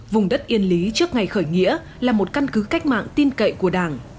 vùng đất yên lý trước ngày khởi nghĩa là một căn cứ cách mạng tin cậy của đảng